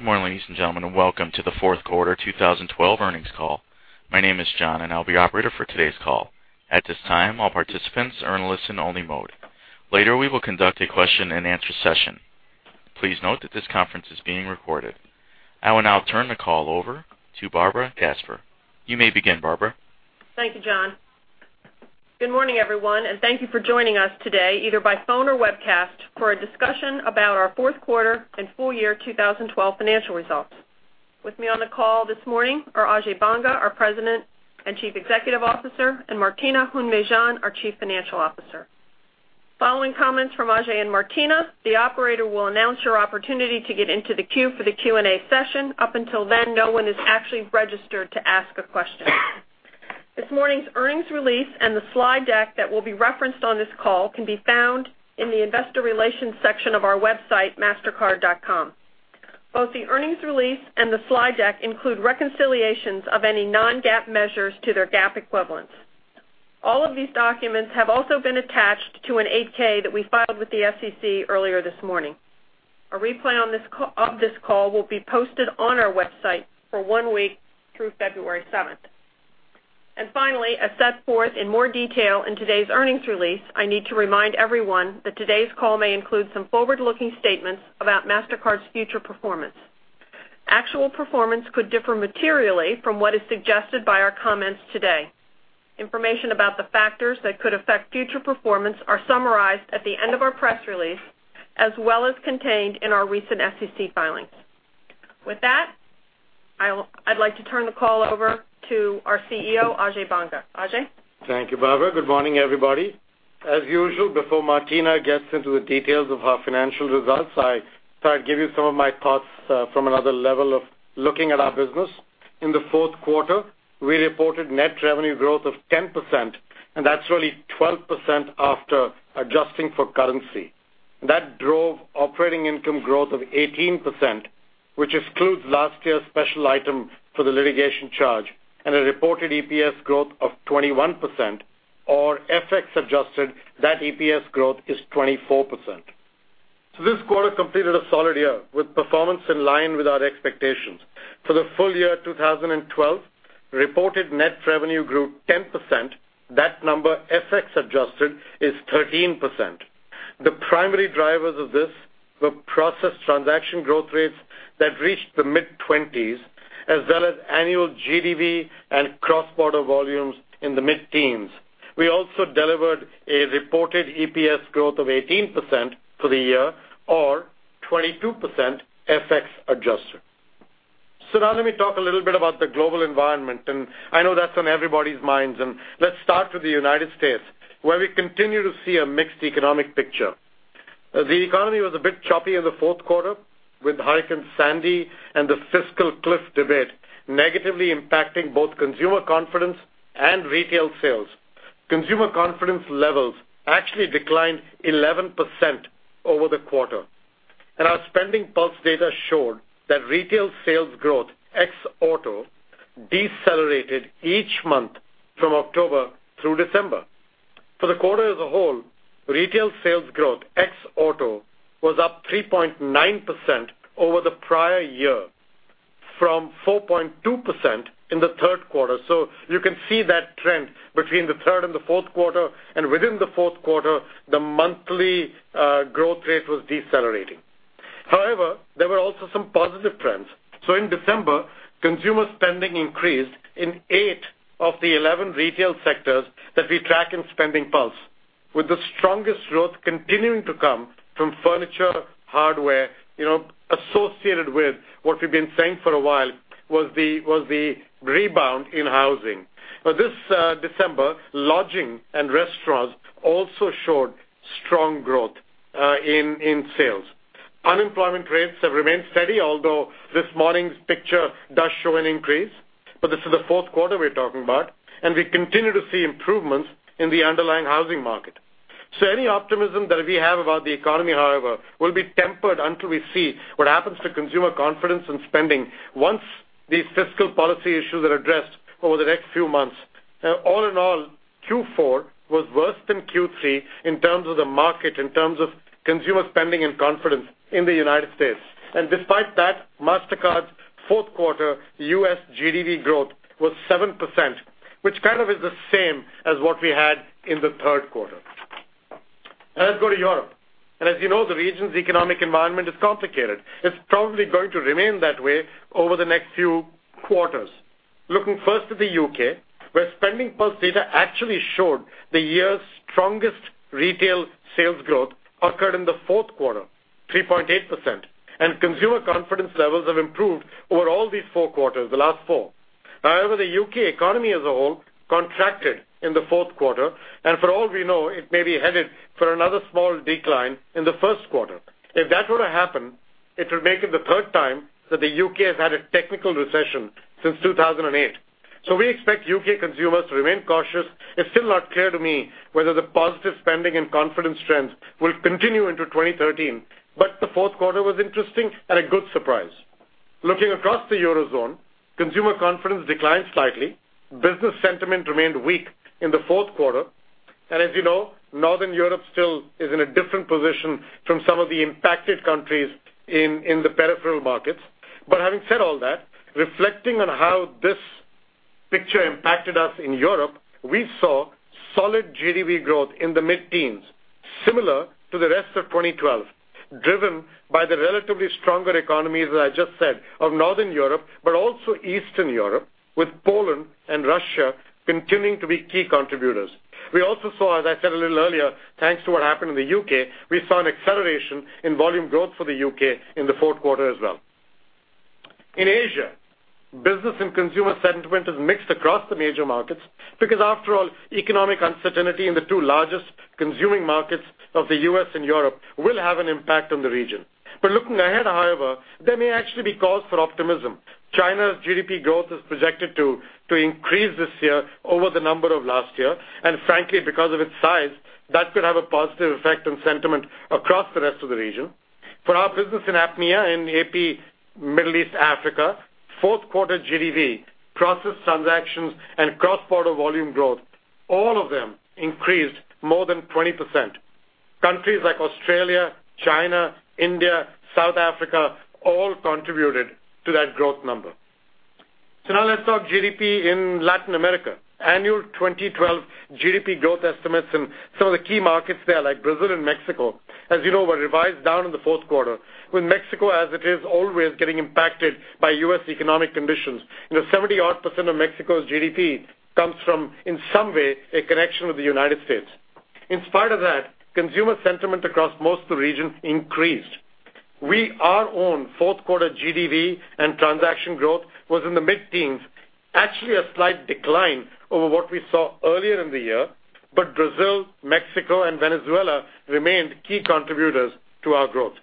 Good morning, ladies and gentlemen, welcome to the fourth quarter 2012 earnings call. My name is John, I'll be your operator for today's call. At this time, all participants are in listen-only mode. Later, we will conduct a question-and-answer session. Please note that this conference is being recorded. I will now turn the call over to Barbara Gasper. You may begin, Barbara. Thank you, John. Good morning, everyone, thank you for joining us today, either by phone or webcast, for a discussion about our fourth quarter and full year 2012 financial results. With me on the call this morning are Ajay Banga, our President and Chief Executive Officer, and Martina Hund-Mejean, our Chief Financial Officer. Following comments from Ajay and Martina, the operator will announce your opportunity to get into the queue for the Q&A session. Up until then, no one is actually registered to ask a question. This morning's earnings release and the slide deck that will be referenced on this call can be found in the investor relations section of our website, mastercard.com. Both the earnings release and the slide deck include reconciliations of any non-GAAP measures to their GAAP equivalents. All of these documents have also been attached to an 8-K that we filed with the SEC earlier this morning. A replay of this call will be posted on our website for one week through February seventh. Finally, as set forth in more detail in today's earnings release, I need to remind everyone that today's call may include some forward-looking statements about Mastercard's future performance. Actual performance could differ materially from what is suggested by our comments today. Information about the factors that could affect future performance are summarized at the end of our press release, as well as contained in our recent SEC filings. With that, I'd like to turn the call over to our CEO, Ajay Banga. Ajay? Thank you, Barbara. Good morning, everybody. As usual, before Martina gets into the details of our financial results, I thought I'd give you some of my thoughts from another level of looking at our business. In the fourth quarter, we reported net revenue growth of 10%, that's really 12% after adjusting for currency. That drove operating income growth of 18%, which excludes last year's special item for the litigation charge and a reported EPS growth of 21%, or FX adjusted, that EPS growth is 24%. This quarter completed a solid year, with performance in line with our expectations. For the full year 2012, reported net revenue grew 10%. That number, FX adjusted, is 13%. The primary drivers of this were process transaction growth rates that reached the mid-20s, as well as annual GDV and cross-border volumes in the mid-teens. We also delivered a reported EPS growth of 18% for the year, or 22% FX adjusted. Now let me talk a little bit about the global environment, and I know that's on everybody's minds. Let's start with the United States, where we continue to see a mixed economic picture. The economy was a bit choppy in the fourth quarter, with Hurricane Sandy and the fiscal cliff debate negatively impacting both consumer confidence and retail sales. Consumer confidence levels actually declined 11% over the quarter. Our SpendingPulse data showed that retail sales growth ex-auto decelerated each month from October through December. For the quarter as a whole, retail sales growth ex-auto was up 3.9% over the prior year, from 4.2% in the third quarter. You can see that trend between the third and the fourth quarter, and within the fourth quarter, the monthly growth rate was decelerating. However, there were also some positive trends. In December, consumer spending increased in eight of the 11 retail sectors that we track in SpendingPulse, with the strongest growth continuing to come from furniture, hardware, associated with what we've been saying for a while was the rebound in housing. But this December, lodging and restaurants also showed strong growth in sales. Unemployment rates have remained steady, although this morning's picture does show an increase. But this is the fourth quarter we're talking about, and we continue to see improvements in the underlying housing market. Any optimism that we have about the economy, however, will be tempered until we see what happens to consumer confidence and spending once these fiscal policy issues are addressed over the next few months. All in all, Q4 was worse than Q3 in terms of the market, in terms of consumer spending and confidence in the U.S. And despite that, Mastercard's fourth quarter U.S. GDV growth was 7%, which kind of is the same as what we had in the third quarter. Let's go to Europe. As you know, the region's economic environment is complicated. It's probably going to remain that way over the next few quarters. Looking first at the U.K., where SpendingPulse data actually showed the year's strongest retail sales growth occurred in the fourth quarter, 3.8%, and consumer confidence levels have improved over all these four quarters, the last four. However, the U.K. economy as a whole contracted in the fourth quarter, and for all we know, it may be headed for another small decline in the first quarter. If that were to happen, it would make it the third time that the U.K. has had a technical recession since 2008. We expect U.K. consumers to remain cautious. It's still not clear to me whether the positive spending and confidence trends will continue into 2013, but the fourth quarter was interesting and a good surprise. Looking across the Eurozone, consumer confidence declined slightly. Business sentiment remained weak in the fourth quarter. As you know, Northern Europe still is in a different position from some of the impacted countries in the peripheral markets. But having said all that, reflecting on how this picture impacted us in Europe, we saw solid GDV growth in the mid-teens, similar to the rest of 2012, driven by the relatively stronger economies, as I just said, of Northern Europe, but also Eastern Europe, with Poland and Russia continuing to be key contributors. We also saw, as I said a little earlier, thanks to what happened in the U.K., we saw an acceleration in volume growth for the U.K. in the fourth quarter as well. In Asia, business and consumer sentiment is mixed across the major markets because after all, economic uncertainty in the two largest consuming markets of the U.S. and Europe will have an impact on the region. Looking ahead, however, there may actually be cause for optimism. China's GDP growth is projected to increase this year over the number of last year, frankly, because of its size, that could have a positive effect on sentiment across the rest of the region. For our business in APMEA, in AP Middle East Africa, fourth quarter GDV, processed transactions, and cross-border volume growth, all of them increased more than 20%. Countries like Australia, China, India, South Africa, all contributed to that growth number. Now let's talk GDV in Latin America. Annual 2012 GDV growth estimates in some of the key markets there, like Brazil and Mexico, as you know, were revised down in the fourth quarter, with Mexico, as it is always, getting impacted by U.S. economic conditions. 70-odd% of Mexico's GDP comes from, in some way, a connection with the United States. In spite of that, consumer sentiment across most of the regions increased. Our own fourth quarter GDV and transaction growth was in the mid-teens, actually a slight decline over what we saw earlier in the year, Brazil, Mexico, and Venezuela remained key contributors to our growth.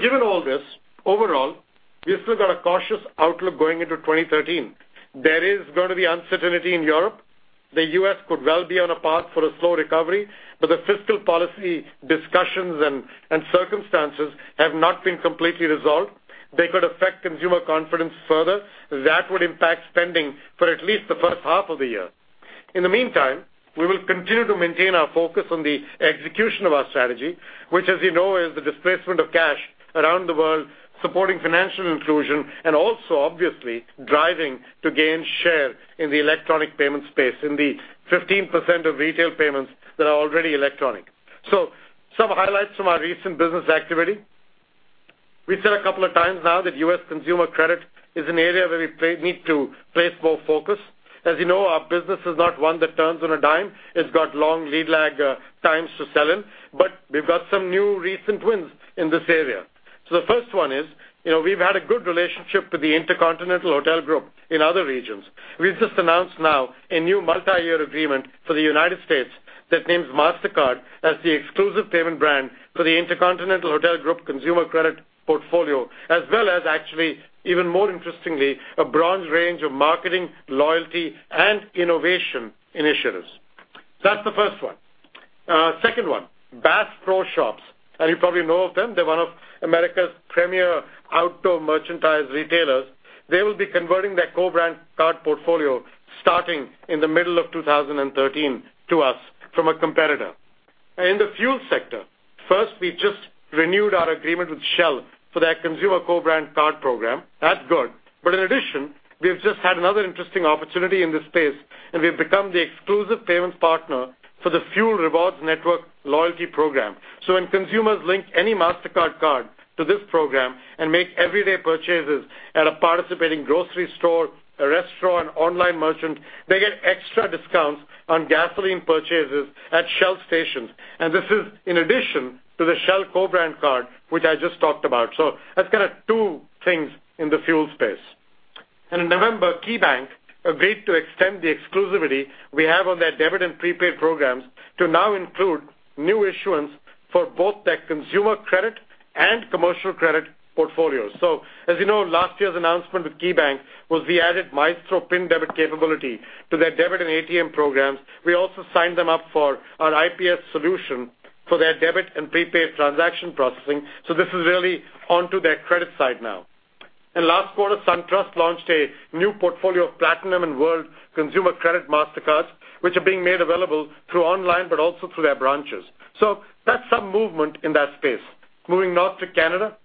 Given all this, overall, we've still got a cautious outlook going into 2013. There is going to be uncertainty in Europe. The U.S. could well be on a path for a slow recovery, the fiscal policy discussions and circumstances have not been completely resolved. They could affect consumer confidence further. That would impact spending for at least the first half of the year. In the meantime, we will continue to maintain our focus on the execution of our strategy, which, as you know, is the displacement of cash around the world, supporting financial inclusion, and also, obviously, driving to gain share in the electronic payment space, in the 15% of retail payments that are already electronic. Some highlights from our recent business activity. We've said a couple of times now that U.S. consumer credit is an area where we need to place more focus. As you know, our business is not one that turns on a dime. It's got long lead lag times to sell in, we've got some new recent wins in this area. The first one is, we've had a good relationship with the InterContinental Hotels Group in other regions. We've just announced now a new multi-year agreement for the United States that names Mastercard as the exclusive payment brand for the InterContinental Hotels Group consumer credit portfolio, as well as actually, even more interestingly, a broad range of marketing, loyalty, and innovation initiatives. That's the first one. Second one, Bass Pro Shops. You probably know of them. They're one of America's premier outdoor merchandise retailers. They will be converting their co-brand card portfolio, starting in the middle of 2013 to us from a competitor. In the fuel sector, first, we just renewed our agreement with Shell for their consumer co-brand card program. That's good. In addition, we've just had another interesting opportunity in this space, and we've become the exclusive payments partner for the Fuel Rewards Network loyalty program. When consumers link any Mastercard card to this program and make everyday purchases at a participating grocery store, a restaurant, online merchant, they get extra discounts on gasoline purchases at Shell stations. This is in addition to the Shell co-brand card, which I just talked about. That's kind of two things in the fuel space. In November, KeyBank agreed to extend the exclusivity we have on their debit and prepaid programs to now include new issuance for both their consumer credit and commercial credit portfolios. As you know, last year's announcement with KeyBank was we added Maestro PIN debit capability to their debit and ATM programs. We also signed them up for an IPS solution for their debit and prepaid transaction processing. This is really onto their credit side now. Last quarter, SunTrust launched a new portfolio of Platinum and World consumer credit Mastercards, which are being made available through online but also through their branches. That's some movement in that space. Moving north to Canada,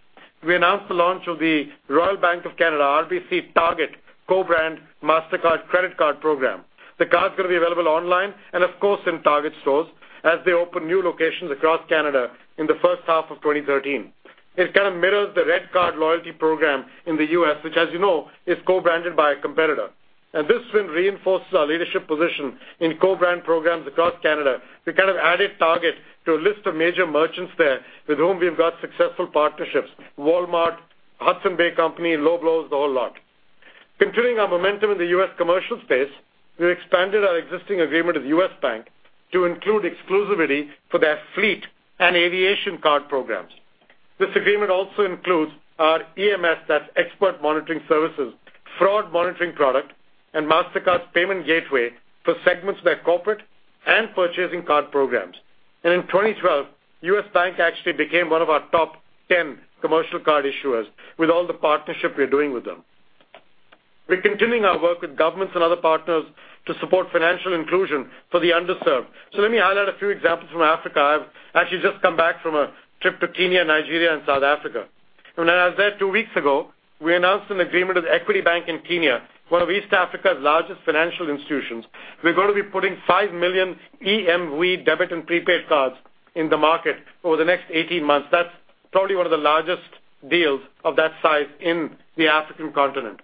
we announced the launch of the Royal Bank of Canada, RBC Target co-brand Mastercard credit card program. The card's going to be available online and of course, in Target stores as they open new locations across Canada in the first half of 2013. It kind of mirrors the RedCard loyalty program in the U.S., which, as you know, is co-branded by a competitor. This one reinforces our leadership position in co-brand programs across Canada. We kind of added Target to a list of major merchants there with whom we've got successful partnerships, Walmart, Hudson's Bay Company, Loblaw's, the whole lot. Continuing our momentum in the U.S. commercial space, we expanded our existing agreement with U.S. Bank to include exclusivity for their fleet and aviation card programs. This agreement also includes our EMS, that's Expert Monitoring Solutions, fraud monitoring product, and Mastercard's payment gateway for segments of their corporate and purchasing card programs. In 2012, U.S. Bank actually became one of our top 10 commercial card issuers with all the partnership we're doing with them. We're continuing our work with governments and other partners to support financial inclusion for the underserved. Let me highlight a few examples from Africa. I've actually just come back from a trip to Kenya, Nigeria, and South Africa. When I was there two weeks ago, we announced an agreement with Equity Bank in Kenya, one of East Africa's largest financial institutions. We're going to be putting 5 million EMV debit and prepaid cards in the market over the next 18 months. That's probably one of the largest deals of that size in the African continent.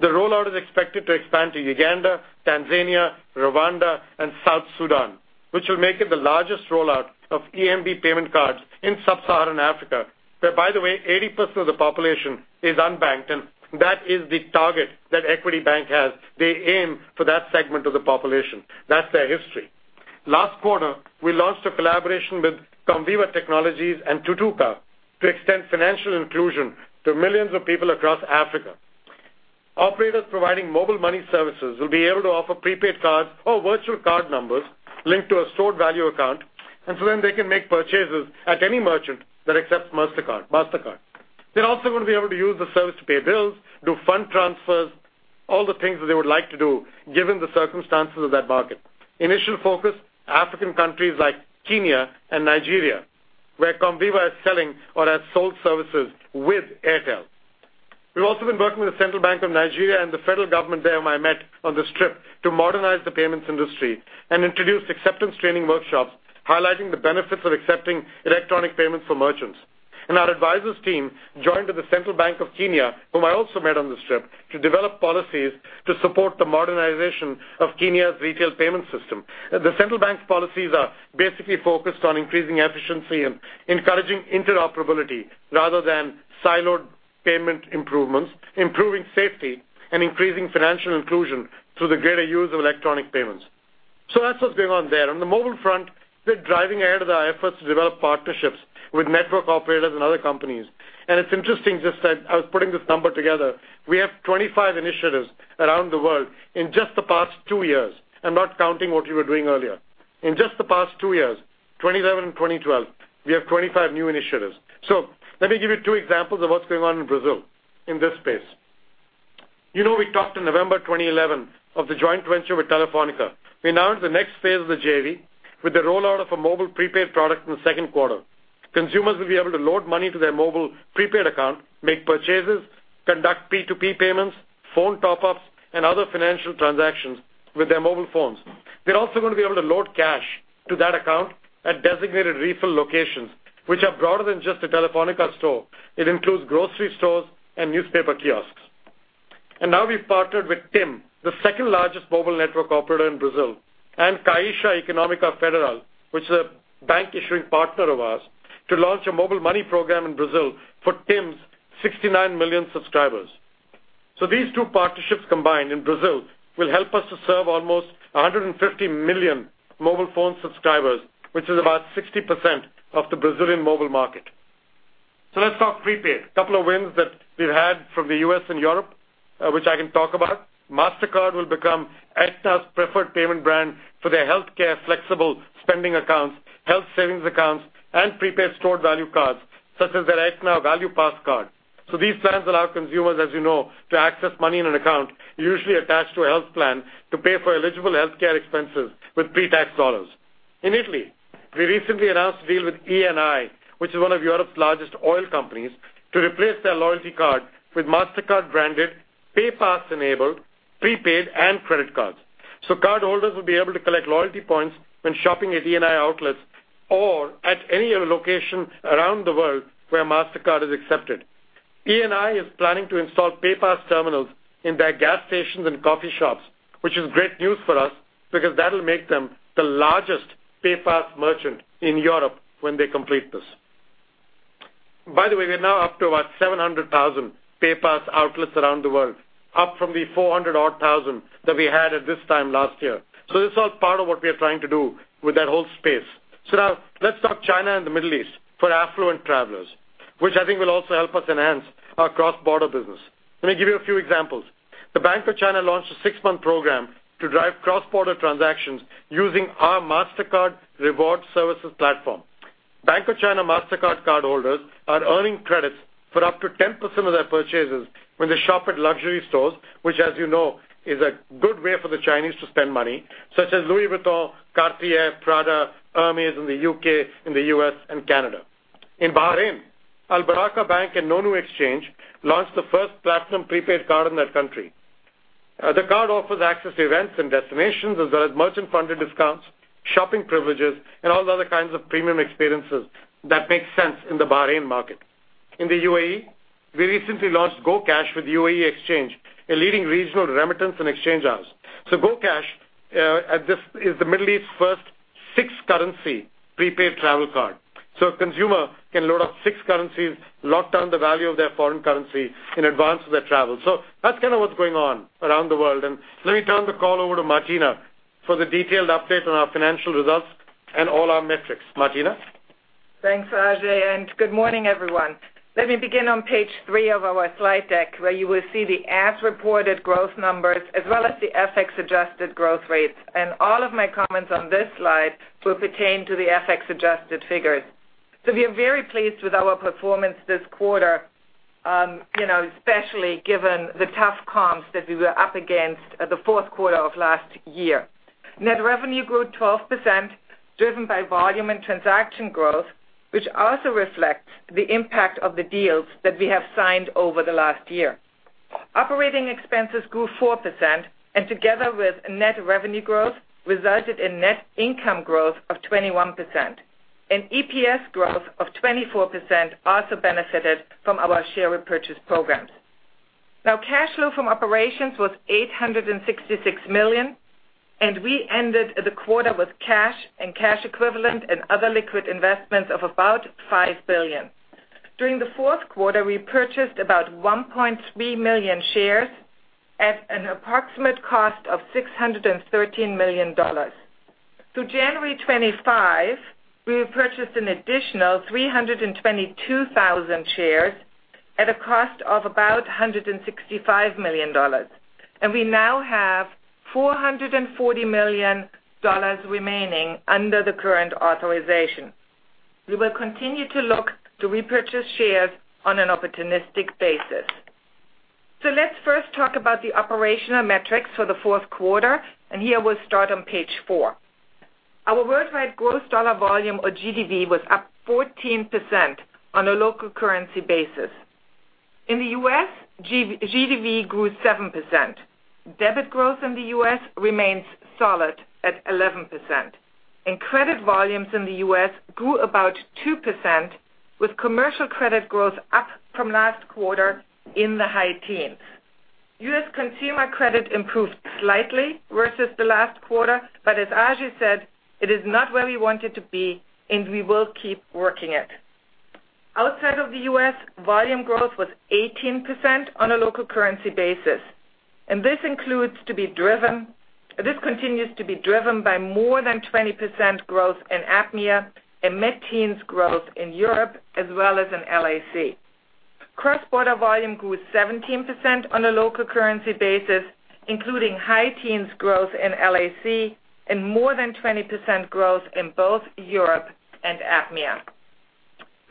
The rollout is expected to expand to Uganda, Tanzania, Rwanda, and South Sudan, which will make it the largest rollout of EMV payment cards in sub-Saharan Africa, where, by the way, 80% of the population is unbanked, and that is the target that Equity Bank has. They aim for that segment of the population. That's their history. Last quarter, we launched a collaboration with Comviva Technologies and Tutuka to extend financial inclusion to millions of people across Africa. Operators providing mobile money services will be able to offer prepaid cards or virtual card numbers linked to a stored-value account, then they can make purchases at any merchant that accepts Mastercard. They are also going to be able to use the service to pay bills, do fund transfers, all the things that they would like to do given the circumstances of that market. Initial focus, African countries like Kenya and Nigeria, where Comviva is selling or has sold services with Airtel. We have also been working with the Central Bank of Nigeria and the federal government there, whom I met on this trip, to modernize the payments industry and introduce acceptance training workshops highlighting the benefits of accepting electronic payments for merchants. Our advisors team joined with the Central Bank of Kenya, whom I also met on this trip, to develop policies to support the modernization of Kenya's retail payment system. The Central Bank's policies are basically focused on increasing efficiency and encouraging interoperability rather than siloed payment improvements, improving safety, and increasing financial inclusion through the greater use of electronic payments. That is what is going on there. On the mobile front, we are driving ahead with our efforts to develop partnerships with network operators and other companies. It is interesting, just as I was putting this number together, we have 25 initiatives around the world in just the past two years. I am not counting what we were doing earlier. In just the past two years, 2011 and 2012, we have 25 new initiatives. Let me give you two examples of what is going on in Brazil in this space. You know we talked in November 2011 of the joint venture with Telefónica. We announced the next phase of the JV with the rollout of a mobile prepaid product in the second quarter. Consumers will be able to load money to their mobile prepaid account, make purchases, conduct P2P payments, phone top-ups, and other financial transactions with their mobile phones. They are also going to be able to load cash to that account at designated refill locations, which are broader than just a Telefónica store. It includes grocery stores and newspaper kiosks. Now we have partnered with TIM, the second-largest mobile network operator in Brazil, and Caixa Econômica Federal, which is a bank issuing partner of ours, to launch a mobile money program in Brazil for TIM's 69 million subscribers. These two partnerships combined in Brazil will help us to serve almost 150 million mobile phone subscribers, which is about 60% of the Brazilian mobile market. Let us talk prepaid. A couple of wins that we have had from the U.S. and Europe, which I can talk about. Mastercard will become Aetna's preferred payment brand for their healthcare flexible spending accounts, health savings accounts, and prepaid stored-value cards, such as their Aetna Extra Benefits Card. These plans allow consumers, as you know, to access money in an account, usually attached to a health plan, to pay for eligible healthcare expenses with pretax dollars. In Italy, we recently announced a deal with Eni, which is one of Europe's largest oil companies, to replace their loyalty card with Mastercard-branded, PayPass-enabled, prepaid, and credit cards. Cardholders will be able to collect loyalty points when shopping at Eni outlets or at any other location around the world where Mastercard is accepted. Eni is planning to install PayPass terminals in their gas stations and coffee shops, which is great news for us because that will make them the largest PayPass merchant in Europe when they complete this. By the way, we are now up to about 700,000 PayPass outlets around the world, up from the 400-odd thousand that we had at this time last year. This is all part of what we are trying to do with that whole space. Let's talk China and the Middle East for affluent travelers, which I think will also help us enhance our cross-border business. Let me give you a few examples. The Bank of China launched a six-month program to drive cross-border transactions using our Mastercard Rewards Solutions platform. Bank of China Mastercard cardholders are earning credits for up to 10% of their purchases when they shop at luxury stores, which, as you know, is a good way for the Chinese to spend money, such as Louis Vuitton, Cartier, Prada, Hermès in the U.K., in the U.S., and Canada. In Bahrain, Al Baraka Bank and Noon Exchange launched the first platinum prepaid card in that country. The card offers access to events and destinations as well as merchant-funded discounts, shopping privileges, and all the other kinds of premium experiences that make sense in the Bahrain market. In the UAE, we recently launched gocash with UAE Exchange, a leading regional remittance and exchange house. gocash is the Middle East's first six-currency prepaid travel card. A consumer can load up six currencies, lock down the value of their foreign currency in advance of their travel. That's kind of what's going on around the world, and let me turn the call over to Martina for the detailed update on our financial results and all our metrics. Martina? Thanks, Ajay, and good morning, everyone. Let me begin on page three of our slide deck, where you will see the as-reported growth numbers as well as the FX-adjusted growth rates. All of my comments on this slide will pertain to the FX-adjusted figures. We are very pleased with our performance this quarter, especially given the tough comps that we were up against the fourth quarter of last year. Net revenue grew 12%, driven by volume and transaction growth, which also reflects the impact of the deals that we have signed over the last year. Operating expenses grew 4% and together with net revenue growth, resulted in net income growth of 21%. EPS growth of 24% also benefited from our share repurchase programs. Cash flow from operations was $866 million, and we ended the quarter with cash and cash equivalent and other liquid investments of about $5 billion. During the fourth quarter, we purchased about 1.3 million shares at an approximate cost of $613 million. Through January 25, we have purchased an additional 322,000 shares at a cost of about $165 million. We now have $440 million remaining under the current authorization. We will continue to look to repurchase shares on an opportunistic basis. Let's first talk about the operational metrics for the fourth quarter, and here we'll start on page four. Our worldwide gross dollar volume or GDV was up 14% on a local currency basis. In the U.S., GDV grew 7%. Debit growth in the U.S. remains solid at 11%. Credit volumes in the U.S. grew about 2%, with commercial credit growth up from last quarter in the high teens. U.S. consumer credit improved slightly versus the last quarter, but as Ajay said, it is not where we wanted to be, and we will keep working it. Outside of the U.S., volume growth was 18% on a local currency basis. This continues to be driven by more than 20% growth in APMEA and mid-teens growth in Europe as well as in LAC. Cross-border volume grew 17% on a local currency basis, including high teens growth in LAC and more than 20% growth in both Europe and APMEA.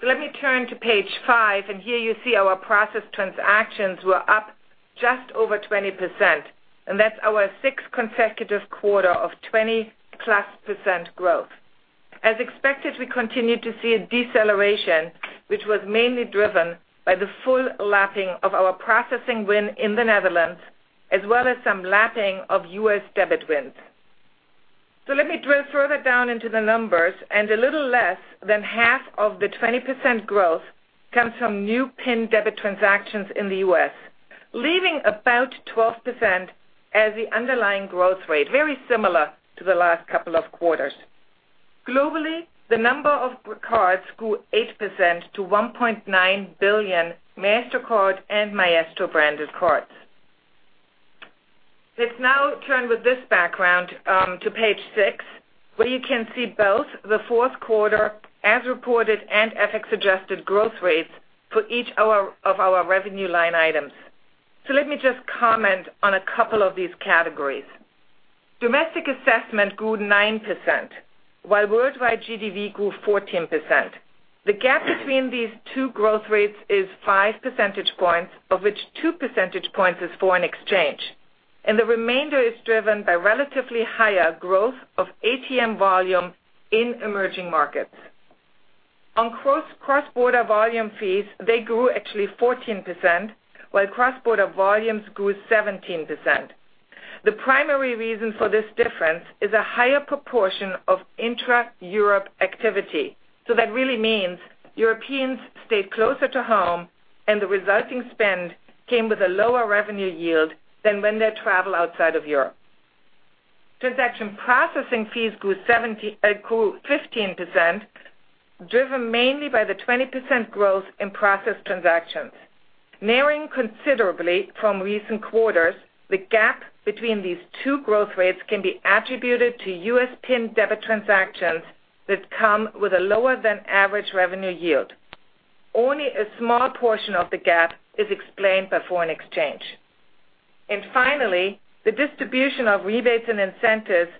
Let me turn to page five, and here you see our process transactions were up just over 20%, and that's our sixth consecutive quarter of 20-plus % growth. As expected, we continued to see a deceleration, which was mainly driven by the full lapping of our processing win in the Netherlands, as well as some lapping of U.S. debit wins. Let me drill further down into the numbers, a little less than half of the 20% growth comes from new PIN debit transactions in the U.S., leaving about 12% as the underlying growth rate, very similar to the last couple of quarters. Globally, the number of cards grew 8% to 1.9 billion Mastercard and Maestro branded cards. Let's now turn with this background to page six, where you can see both the fourth quarter as reported and FX-adjusted growth rates for each of our revenue line items. Let me just comment on a couple of these categories. Domestic assessment grew 9%, while worldwide GDV grew 14%. The gap between these two growth rates is five percentage points, of which two percentage points is foreign exchange, the remainder is driven by relatively higher growth of ATM volume in emerging markets. On cross-border volume fees, they grew actually 14%, while cross-border volumes grew 17%. The primary reason for this difference is a higher proportion of intra-Europe activity. That really means Europeans stayed closer to home and the resulting spend came with a lower revenue yield than when they travel outside of Europe. Transaction processing fees grew 15%, driven mainly by the 20% growth in processed transactions. Narrowing considerably from recent quarters, the gap between these two growth rates can be attributed to U.S. PIN debit transactions that come with a lower than average revenue yield. Only a small portion of the gap is explained by foreign exchange. Finally, the distribution of rebates and incentives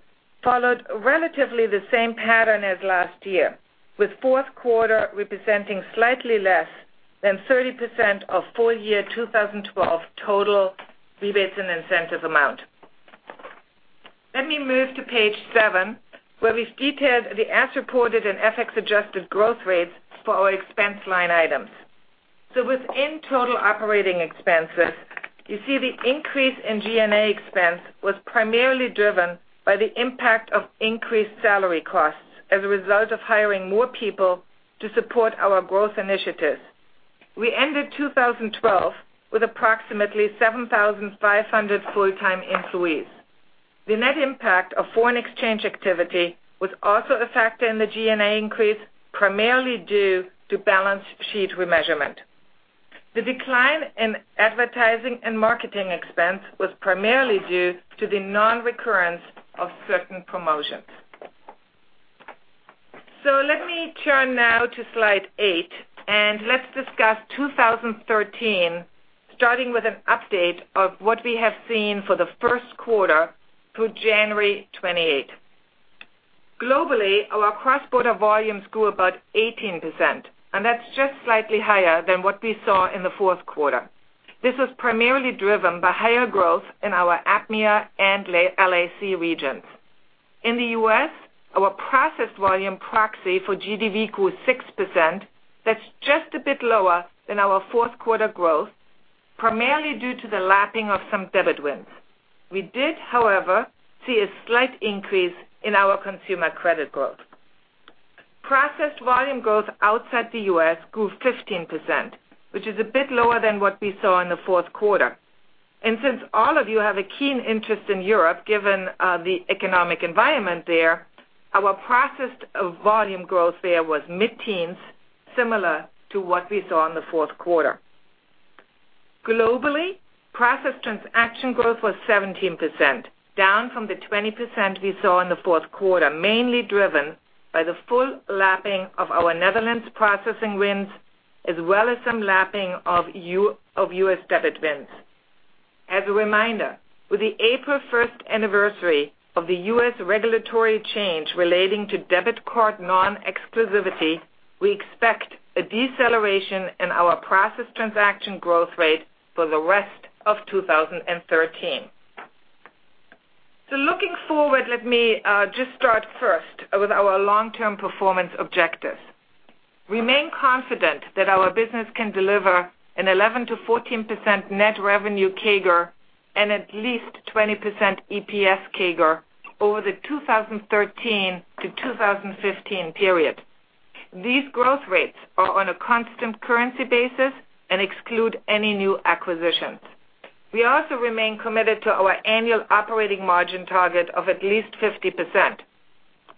followed relatively the same pattern as last year, with fourth quarter representing slightly less than 30% of full year 2012 total rebates and incentives amount. Let me move to page seven, where we've detailed the as-reported and FX-adjusted growth rates for our expense line items. Within total operating expenses, you see the increase in G&A expense was primarily driven by the impact of increased salary costs as a result of hiring more people to support our growth initiatives. We ended 2012 with approximately 7,500 full-time employees. The net impact of foreign exchange activity was also a factor in the G&A increase, primarily due to balance sheet remeasurement. The decline in advertising and marketing expense was primarily due to the non-recurrence of certain promotions. Let me turn now to slide eight, let's discuss 2013. Starting with an update of what we have seen for the first quarter through January 28th. Globally, our cross-border volumes grew about 18%. That's just slightly higher than what we saw in the fourth quarter. This was primarily driven by higher growth in our APMEA and LAC regions. In the U.S., our processed volume proxy for GDV grew 6%. That's just a bit lower than our fourth quarter growth, primarily due to the lapping of some debit wins. We did, however, see a slight increase in our consumer credit growth. Processed volume growth outside the U.S. grew 15%, which is a bit lower than what we saw in the fourth quarter. Since all of you have a keen interest in Europe, given the economic environment there, our processed volume growth there was mid-teens, similar to what we saw in the fourth quarter. Globally, processed transaction growth was 17%, down from the 20% we saw in the fourth quarter, mainly driven by the full lapping of our Netherlands processing wins, as well as some lapping of U.S. debit wins. As a reminder, with the April 1st anniversary of the U.S. regulatory change relating to debit card non-exclusivity, we expect a deceleration in our processed transaction growth rate for the rest of 2013. Looking forward, let me just start first with our long-term performance objectives. Remain confident that our business can deliver an 11%-14% net revenue CAGR and at least 20% EPS CAGR over the 2013-2015 period. These growth rates are on a constant currency basis and exclude any new acquisitions. We also remain committed to our annual operating margin target of at least 50%.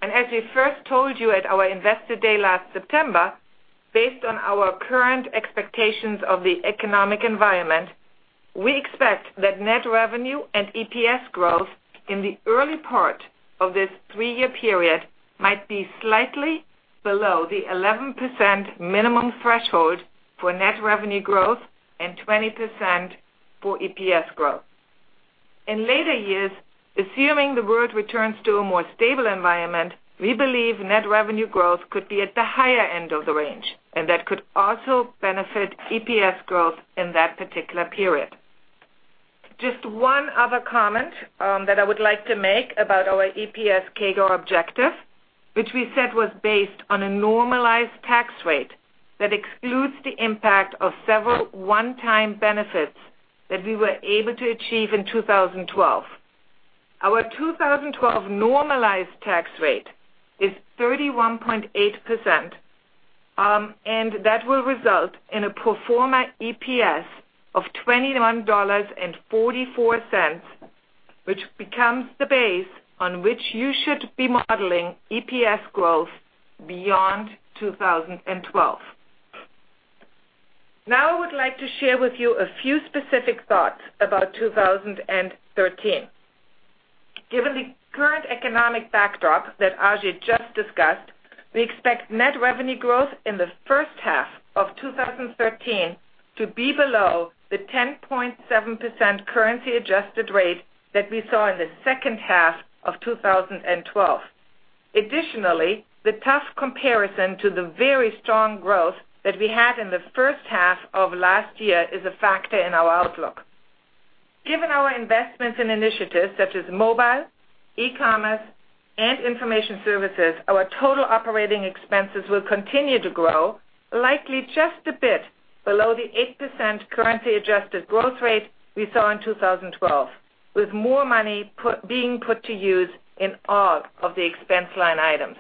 As we first told you at our Investment Community Meeting last September, based on our current expectations of the economic environment, we expect that net revenue and EPS growth in the early part of this three-year period might be slightly below the 11% minimum threshold for net revenue growth and 20% for EPS growth. In later years, assuming the world returns to a more stable environment, we believe net revenue growth could be at the higher end of the range, that could also benefit EPS growth in that particular period. Just one other comment that I would like to make about our EPS CAGR objective, which we said was based on a normalized tax rate that excludes the impact of several one-time benefits that we were able to achieve in 2012. Our 2012 normalized tax rate is 31.8%, and that will result in a pro forma EPS of $21.44, which becomes the base on which you should be modeling EPS growth beyond 2012. I would like to share with you a few specific thoughts about 2013. Given the current economic backdrop that Ajay just discussed, we expect net revenue growth in the first half of 2013 to be below the 10.7% currency-adjusted rate that we saw in the second half of 2012. The tough comparison to the very strong growth that we had in the first half of last year is a factor in our outlook. Given our investments in initiatives such as mobile, e-commerce, and information services, our total operating expenses will continue to grow, likely just a bit below the 8% currency-adjusted growth rate we saw in 2012, with more money being put to use in all of the expense line items.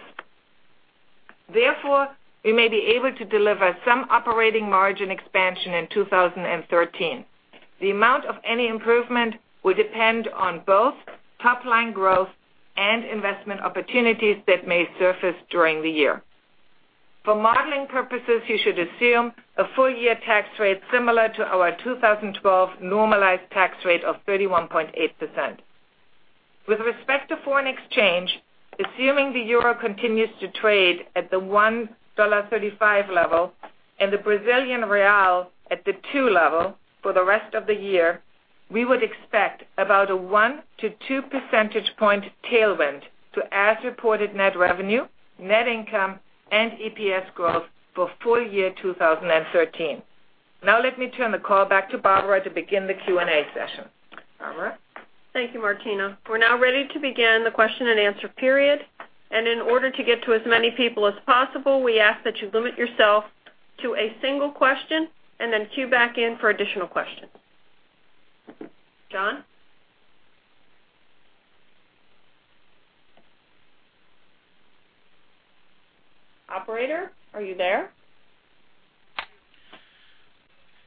We may be able to deliver some operating margin expansion in 2013. The amount of any improvement will depend on both top-line growth and investment opportunities that may surface during the year. For modeling purposes, you should assume a full-year tax rate similar to our 2012 normalized tax rate of 31.8%. With respect to foreign exchange, assuming the EUR continues to trade at the $1.35 level and the BRL at the 2 level for the rest of the year, we would expect about a 1 to 2 percentage points tailwind to as-reported net revenue, net income, and EPS growth for full-year 2013. Let me turn the call back to Barbara to begin the Q&A session. Barbara? Thank you, Martina. We're now ready to begin the question-and-answer period. In order to get to as many people as possible, we ask that you limit yourself to a single question and then queue back in for additional questions. John? Operator, are you there?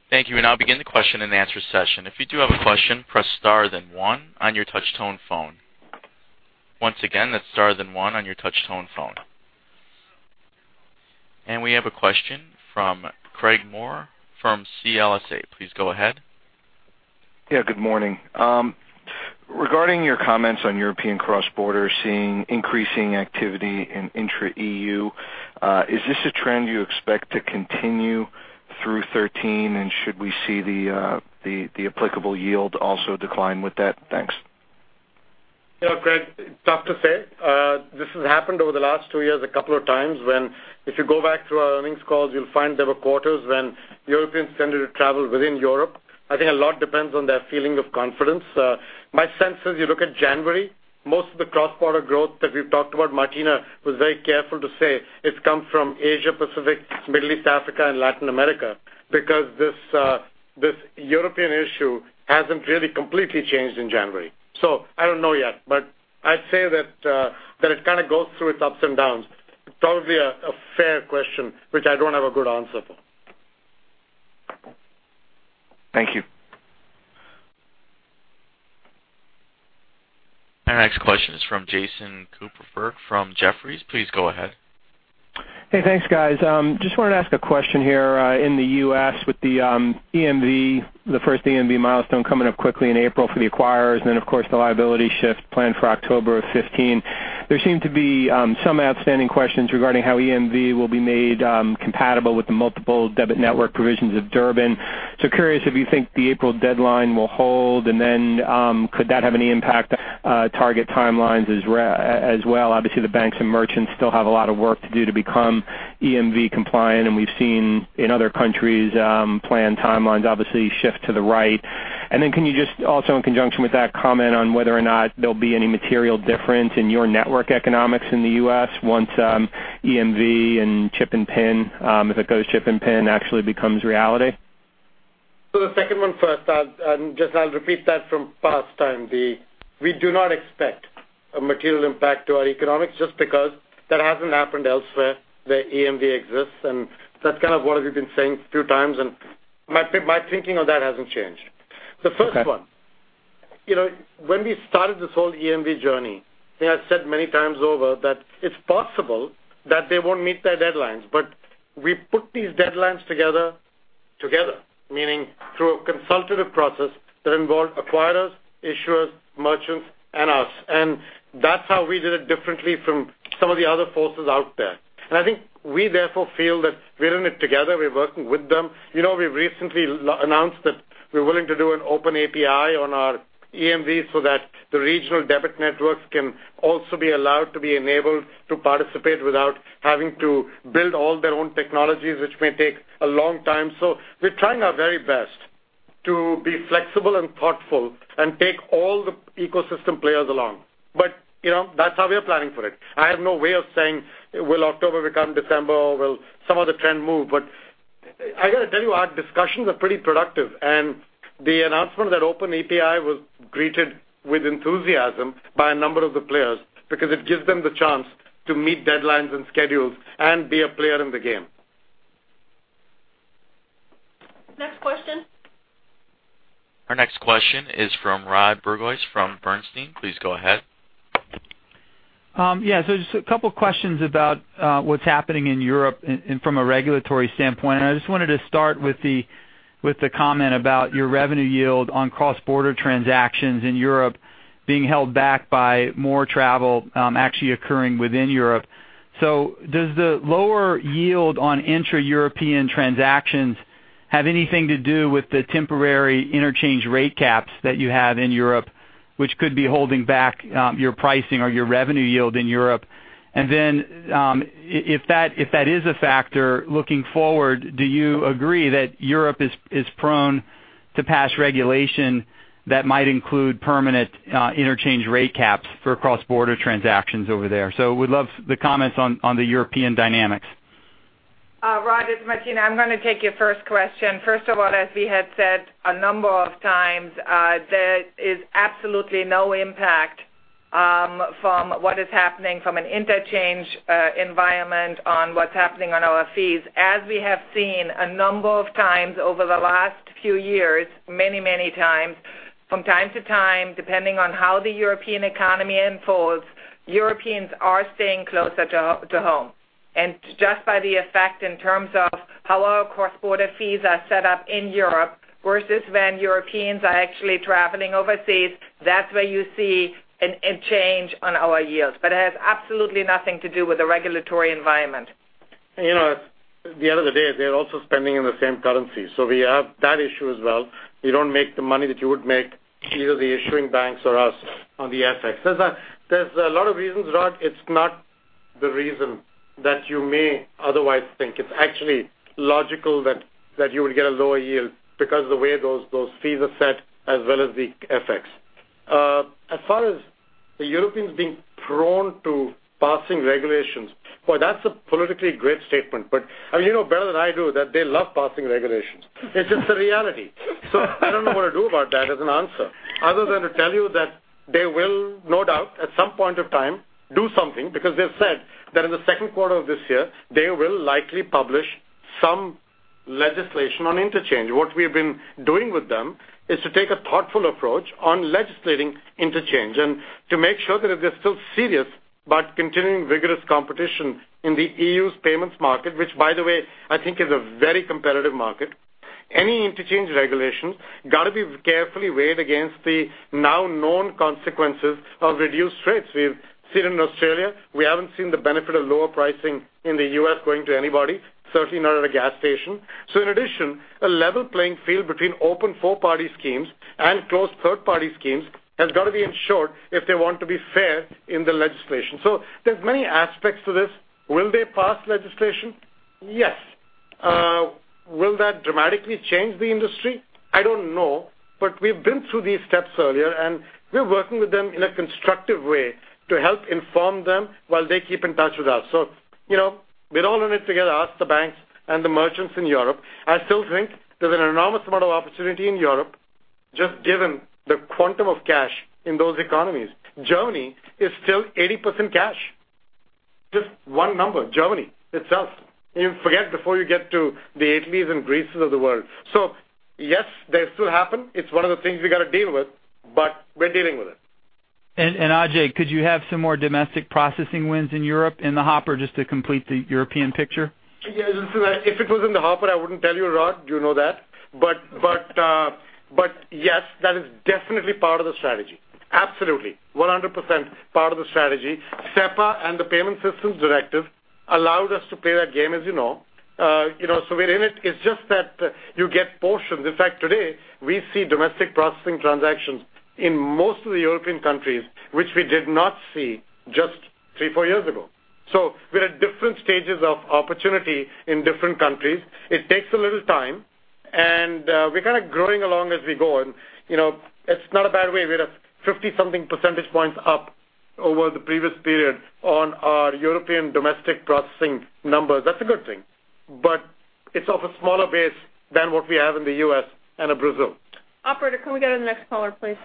Thank you. We now begin the question-and-answer session. If you do have a question, press star then one on your touch-tone phone. Once again, that's star then one on your touch-tone phone. We have a question from Craig Maurer from CLSA. Please go ahead. Good morning. Regarding your comments on European cross-border seeing increasing activity in intra-EU, is this a trend you expect to continue through 2013, and should we see the applicable yield also decline with that? Thanks. Craig, tough to say. This has happened over the last two years a couple of times when if you go back through our earnings calls, you'll find there were quarters when Europeans tended to travel within Europe. I think a lot depends on their feeling of confidence. My sense is you look at January, most of the cross-border growth that we've talked about, Martina was very careful to say it's come from Asia, Pacific, Middle East, Africa, and Latin America because this European issue hasn't really completely changed in January. I don't know yet, but I'd say that it kind of goes through its ups and downs. Probably a fair question, which I don't have a good answer for. Thank you. Our next question is from Jason Kupferberg from Jefferies. Please go ahead. Hey, thanks, guys. Just wanted to ask a question here. In the U.S. with the first EMV milestone coming up quickly in April for the acquirers and then, of course, the liability shift planned for October 15. There seem to be some outstanding questions regarding how EMV will be made compatible with the multiple debit network provisions of Durbin. Curious if you think the April deadline will hold, and then could that have any impact target timelines as well? Obviously, the banks and merchants still have a lot of work to do to become EMV compliant, and we've seen in other countries planned timelines obviously shift to the right. Can you just also in conjunction with that comment on whether or not there'll be any material difference in your network economics in the U.S. once EMV and if it goes chip and PIN actually becomes reality? The second one first, Jason, I'll repeat that from past time. We do not expect a material impact to our economics just because that hasn't happened elsewhere where EMV exists. That's kind of what we've been saying a few times, and my thinking on that hasn't changed. Okay. The first one. When we started this whole EMV journey, we have said many times over that it's possible that they won't meet their deadlines. We put these deadlines together, meaning through a consultative process that involved acquirers, issuers, merchants, and us. That's how we did it differently from some of the other forces out there. I think we therefore feel that we're in it together. We're working with them. We recently announced that we're willing to do an open API on our EMV so that the regional debit networks can also be allowed to be enabled to participate without having to build all their own technologies, which may take a long time. We're trying our very best to be flexible and thoughtful and take all the ecosystem players along. That's how we are planning for it. I have no way of saying will October become December, will some other trend move. I got to tell you, our discussions are pretty productive, and the announcement of that open API was greeted with enthusiasm by a number of the players because it gives them the chance to meet deadlines and schedules and be a player in the game. Next question. Our next question is from Rod Bourgeois from Bernstein. Please go ahead. Yeah. Just a couple questions about what's happening in Europe and from a regulatory standpoint. I just wanted to start with the comment about your revenue yield on cross-border transactions in Europe being held back by more travel actually occurring within Europe. Does the lower yield on intra-European transactions have anything to do with the temporary interchange rate caps that you have in Europe, which could be holding back your pricing or your revenue yield in Europe? If that is a factor looking forward, do you agree that Europe is prone to pass regulation that might include permanent interchange rate caps for cross-border transactions over there? Would love the comments on the European dynamics. Rod, it's Martina. I'm going to take your first question. First of all, as we had said a number of times, there is absolutely no impact from what is happening from an interchange environment on what's happening on our fees. As we have seen a number of times over the last few years, many times, from time to time, depending on how the European economy unfolds, Europeans are staying closer to home. Just by the effect in terms of how our cross-border fees are set up in Europe versus when Europeans are actually traveling overseas, that's where you see a change on our yields. It has absolutely nothing to do with the regulatory environment. At the end of the day, they're also spending in the same currency. We have that issue as well. You don't make the money that you would make, either the issuing banks or us on the FX. There's a lot of reasons, Rod. It's not the reason that you may otherwise think. It's actually logical that you would get a lower yield because the way those fees are set as well as the FX. As far as the Europeans being prone to passing regulations, boy, that's a politically great statement. You know better than I do that they love passing regulations. It's just the reality. I don't know what to do about that as an answer, other than to tell you that they will no doubt at some point of time do something because they've said that in the second quarter of this year they will likely publish some legislation on interchange. What we've been doing with them is to take a thoughtful approach on legislating interchange and to make sure that if they're still serious continuing vigorous competition in the EU's payments market, which by the way, I think is a very competitive market. Any interchange regulation got to be carefully weighed against the now known consequences of reduced rates. We've seen it in Australia, we haven't seen the benefit of lower pricing in the U.S. going to anybody, certainly not at a gas station. In addition, a level playing field between open four-party schemes and closed third-party schemes has got to be ensured if they want to be fair in the legislation. There's many aspects to this. Will they pass legislation? Yes. Will that dramatically change the industry? I don't know. We've been through these steps earlier, and we're working with them in a constructive way to help inform them while they keep in touch with us. We're all in it together, us, the banks, and the merchants in Europe. I still think there's an enormous amount of opportunity in Europe, just given the quantum of cash in those economies. Germany is still 80% cash. Just one number, Germany itself. You forget before you get to the Italys and Greeces of the world. Yes, they still happen. It's one of the things we got to deal with, we're dealing with it. Ajay, could you have some more domestic processing wins in Europe in the hopper just to complete the European picture? Yeah, listen, if it was in the hopper, I wouldn't tell you, Rod, you know that. Yes, that is definitely part of the strategy. Absolutely, 100% part of the strategy. SEPA and the Payment Services Directive allowed us to play that game, as you know. We're in it. It's just that you get portions. In fact, today, we see domestic processing transactions in most of the European countries, which we did not see just three, four years ago. We're at different stages of opportunity in different countries. It takes a little time, and we're kind of growing along as we go. It's not a bad way. We're at 50 something percentage points up over the previous period on our European domestic processing numbers. That's a good thing. It's off a smaller base than what we have in the U.S. and Brazil. Operator, can we go to the next caller, please?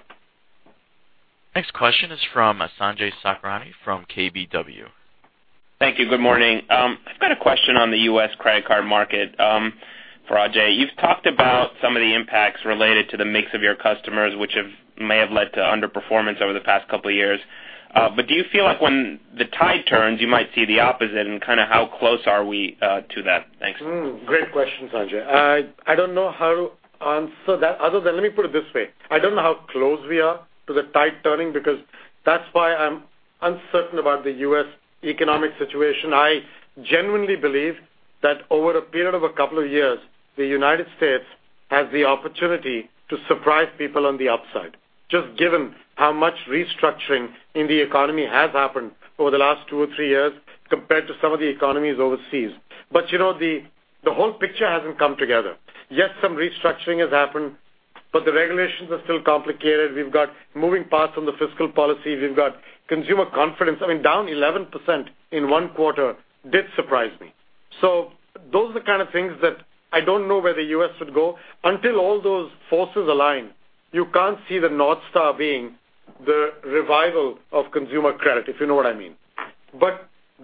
Next question is from Sanjay Sakhrani from KBW. Thank you. Good morning. I've got a question on the U.S. credit card market for Ajay. You've talked about some of the impacts related to the mix of your customers, which may have led to underperformance over the past couple of years. Do you feel like when the tide turns, you might see the opposite, and kind of how close are we to that? Thanks. Great question, Sanjay. I don't know how to answer that other than let me put it this way. I don't know how close we are to the tide turning because that's why I'm uncertain about the U.S. economic situation. I genuinely believe that over a period of a couple of years, the United States has the opportunity to surprise people on the upside, just given how much restructuring in the economy has happened over the last two or three years compared to some of the economies overseas. The whole picture hasn't come together. Yes, some restructuring has happened, the regulations are still complicated. We've got moving parts on the fiscal policy. We've got consumer confidence. I mean, down 11% in one quarter did surprise me. Those are the kind of things that I don't know where the U.S. would go. Until all those forces align, you can't see the North Star being the revival of consumer credit, if you know what I mean.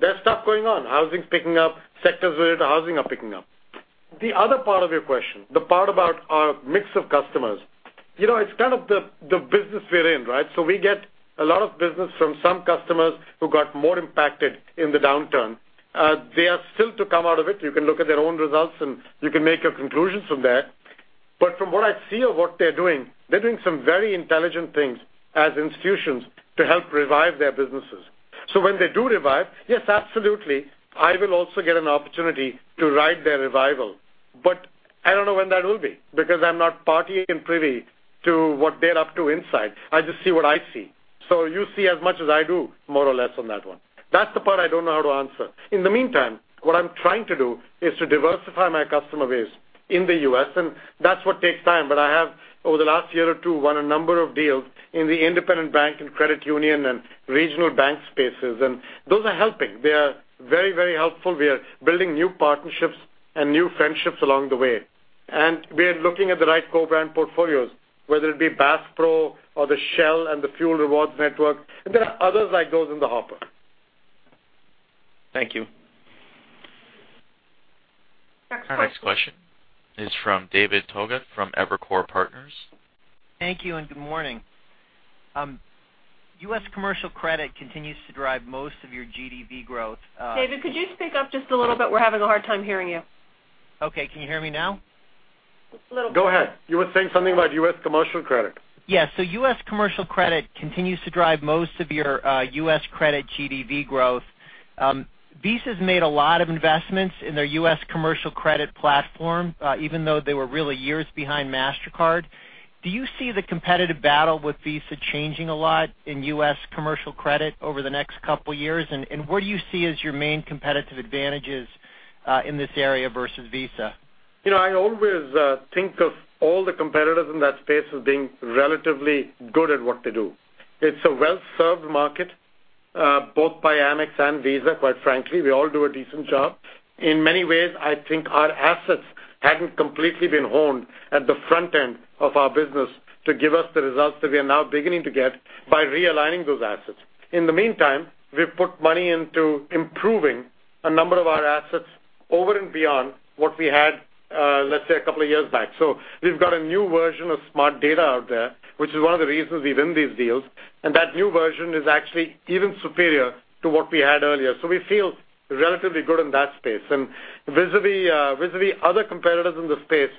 There's stuff going on. Housing's picking up. Sectors related to housing are picking up. The other part of your question, the part about our mix of customers. It's kind of the business we're in, right? We get a lot of business from some customers who got more impacted in the downturn. They are still to come out of it. You can look at their own results, and you can make your conclusions from that. From what I see of what they're doing, they're doing some very intelligent things as institutions to help revive their businesses. When they do revive, yes, absolutely, I will also get an opportunity to ride their revival. I don't know when that will be because I'm not party and privy to what they're up to inside. I just see what I see. You see as much as I do, more or less on that one. That's the part I don't know how to answer. In the meantime, what I'm trying to do is to diversify my customer base in the U.S., and that's what takes time. I have, over the last year or two, won a number of deals in the independent bank and credit union and regional bank spaces, and those are helping. They are very helpful. We are building new partnerships and new friendships along the way. We are looking at the right co-brand portfolios, whether it be Bass Pro or the Shell and the Fuel Rewards Network. There are others like those in the hopper. Thank you. Next question. Our next question is from David Togut from Evercore Partners. Thank you. Good morning. U.S. commercial credit continues to drive most of your GDV growth. David, could you speak up just a little bit? We're having a hard time hearing you. Okay. Can you hear me now? Just a little bit. Go ahead. You were saying something about U.S. commercial credit. Yeah. U.S. commercial credit continues to drive most of your U.S. credit GDV growth. Visa's made a lot of investments in their U.S. commercial credit platform, even though they were really years behind Mastercard. Do you see the competitive battle with Visa changing a lot in U.S. commercial credit over the next couple of years? What do you see as your main competitive advantages in this area versus Visa? I always think of all the competitors in that space as being relatively good at what they do. It's a well-served market, both by Amex and Visa, quite frankly. We all do a decent job. In many ways, I think our assets hadn't completely been honed at the front end of our business to give us the results that we are now beginning to get by realigning those assets. In the meantime, we've put money into improving a number of our assets over and beyond what we had Let's say a couple of years back. We've got a new version of Smart Data out there, which is one of the reasons we win these deals, and that new version is actually even superior to what we had earlier. We feel relatively good in that space. Vis-a-vis other competitors in the space,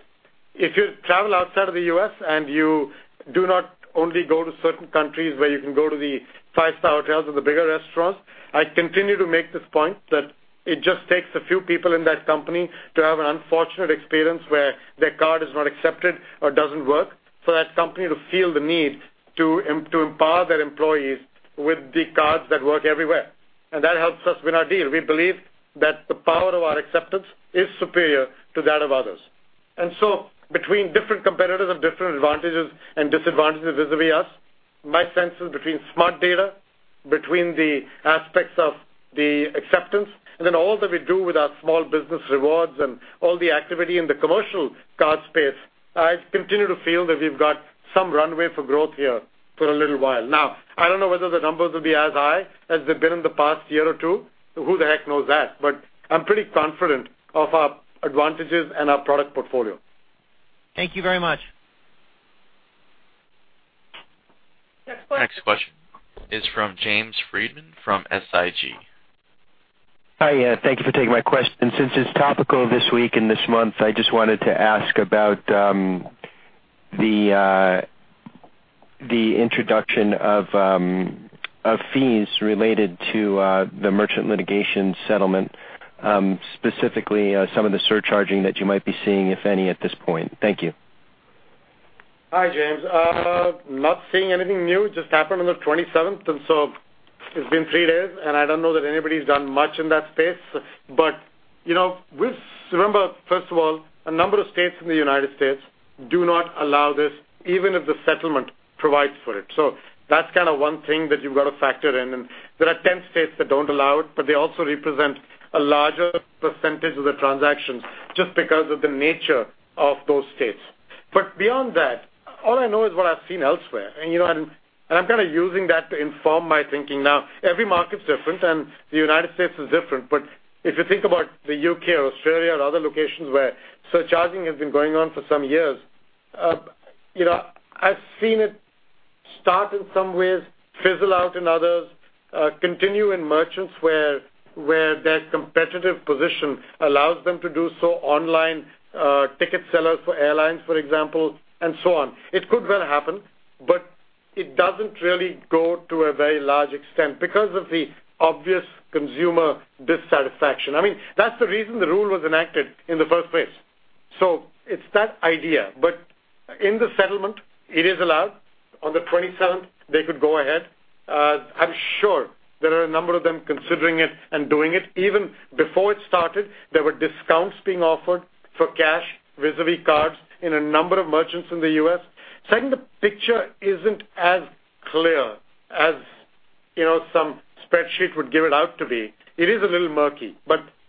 if you travel outside of the U.S. and you do not only go to certain countries where you can go to the five-star hotels or the bigger restaurants, I continue to make this point, that it just takes a few people in that company to have an unfortunate experience where their card is not accepted or doesn't work, for that company to feel the need to empower their employees with the cards that work everywhere. That helps us win our deal. We believe that the power of our acceptance is superior to that of others. Between different competitors have different advantages and disadvantages vis-a-vis us, my sense is between Smart Data, between the aspects of the acceptance, and then all that we do with our small business rewards and all the activity in the commercial card space, I continue to feel that we've got some runway for growth here for a little while. Now, I don't know whether the numbers will be as high as they've been in the past year or two. Who the heck knows that? I'm pretty confident of our advantages and our product portfolio. Thank you very much. Next question. Next question is from James Friedman from SIG. Hi. Thank you for taking my question. Since it is topical this week and this month, I just wanted to ask about the introduction of fees related to the merchant litigation settlement, specifically some of the surcharging that you might be seeing, if any, at this point. Thank you. Hi, James. Not seeing anything new. Just happened on the 27th, it's been three days, I don't know that anybody's done much in that space. Remember, first of all, a number of states in the U.S. do not allow this, even if the settlement provides for it. That's one thing that you've got to factor in, there are 10 states that don't allow it, they also represent a larger percentage of the transactions just because of the nature of those states. Beyond that, all I know is what I've seen elsewhere, I'm kind of using that to inform my thinking now. Every market's different, the U.S. is different, if you think about the U.K. or Australia or other locations where surcharging has been going on for some years, I've seen it start in some ways, fizzle out in others, continue in merchants where their competitive position allows them to do so online, ticket sellers for airlines, for example, so on. It could well happen, it doesn't really go to a very large extent because of the obvious consumer dissatisfaction. That's the reason the rule was enacted in the first place. It's that idea. In the settlement, it is allowed. On the 27th, they could go ahead. I'm sure there are a number of them considering it and doing it. Even before it started, there were discounts being offered for cash vis-a-vis cards in a number of merchants in the U.S. Second, the picture isn't as clear as some spreadsheet would give it out to be. It is a little murky,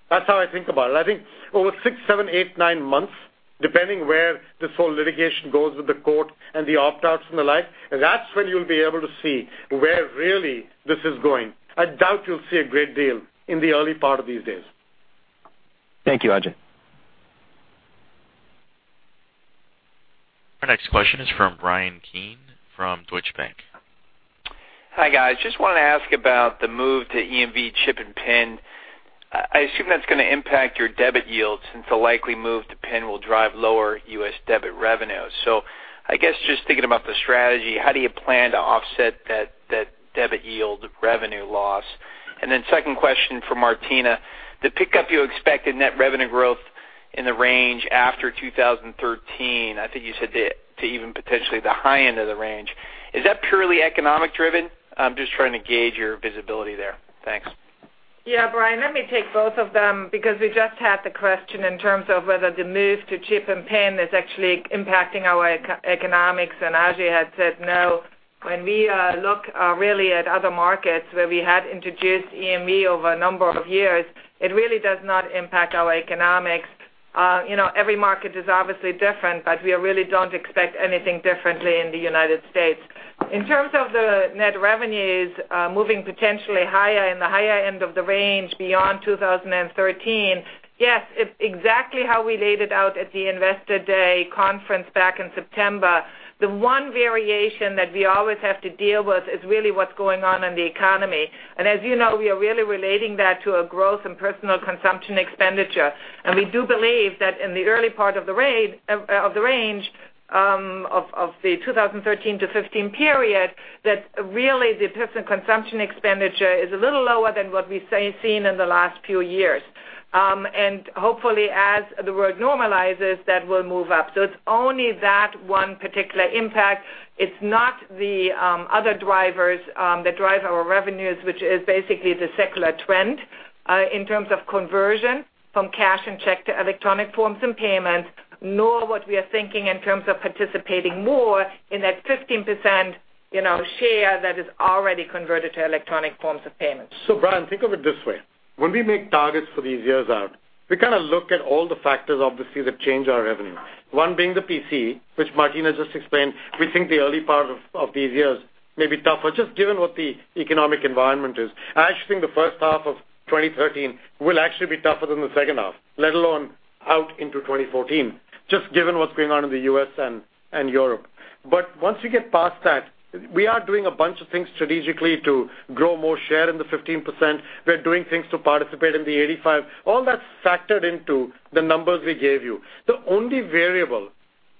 that's how I think about it. I think over six, seven, eight, nine months, depending where this whole litigation goes with the court, the opt-outs, the like, that's when you'll be able to see where really this is going. I doubt you'll see a great deal in the early part of these days. Thank you, Ajay. Our next question is from Bryan Keane from Deutsche Bank. Hi, guys. Just want to ask about the move to EMV chip and PIN. I assume that's going to impact your debit yields since the likely move to PIN will drive lower U.S. debit revenues. I guess just thinking about the strategy, how do you plan to offset that debit yield revenue loss? Second question for Martina. The pickup you expect in net revenue growth in the range after 2013, I think you said to even potentially the high end of the range. Is that purely economic driven? I'm just trying to gauge your visibility there. Thanks. Yeah, Bryan, let me take both of them because we just had the question in terms of whether the move to chip and PIN is actually impacting our economics, and Ajay had said no. When we look really at other markets where we had introduced EMV over a number of years, it really does not impact our economics. Every market is obviously different, but we really don't expect anything differently in the United States. In terms of the net revenues moving potentially higher in the higher end of the range beyond 2013, yes, it's exactly how we laid it out at the Investor Day conference back in September. The one variation that we always have to deal with is really what's going on in the economy. As you know, we are really relating that to a growth in personal consumption expenditure. We do believe that in the early part of the range of the 2013-2015 period, that really the personal consumption expenditure is a little lower than what we've seen in the last few years. Hopefully, as the world normalizes, that will move up. It's only that one particular impact. It's not the other drivers that drive our revenues, which is basically the secular trend in terms of conversion from cash and check to electronic forms and payments, nor what we are thinking in terms of participating more in that 15% share that is already converted to electronic forms of payments. Bryan, think of it this way. When we make targets for these years out, we kind of look at all the factors, obviously, that change our revenue. One being the PCE, which Martina just explained. We think the early part of these years may be tougher, just given what the economic environment is. I actually think the first half of 2013 will actually be tougher than the second half, let alone out into 2014, just given what's going on in the U.S. and Europe. Once we get past that, we are doing a bunch of things strategically to grow more share in the 15%. We're doing things to participate in the 85. All that's factored into the numbers we gave you. The only variable